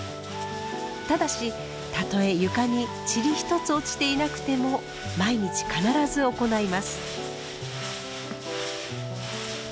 ただしたとえ床に塵一つ落ちていなくても毎日必ず行います。